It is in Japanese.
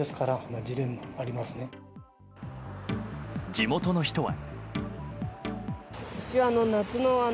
地元の人は。